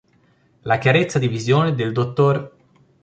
La chiarezza di visione del Dott.